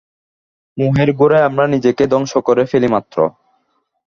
মোহের ঘোরে আমরা নিজেকে ধ্বংস করে ফেলি মাত্র।